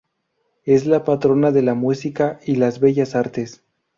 Es la patrona de la música y las bellas artes.